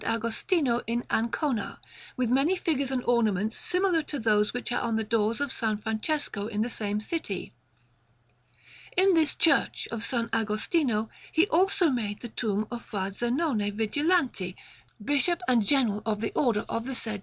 Agostino in Ancona, with many figures and ornaments similar to those which are on the door of S. Francesco in the same city. In this Church of S. Agostino he also made the tomb of Fra Zenone Vigilanti, Bishop, and General of the Order of the said S.